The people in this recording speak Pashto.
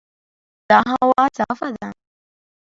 دا هوا صافه ده.